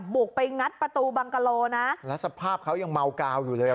บุกไปงัดประตูบังกะโลนะแล้วสภาพเขายังเมากาวอยู่เลยอ่ะ